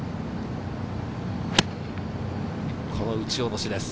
この打ち下ろしです。